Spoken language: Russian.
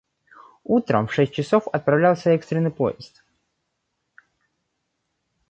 Утром в шесть часов отправлялся экстренный поезд.